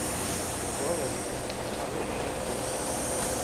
Ukubabarirwa kwa bene Yakobo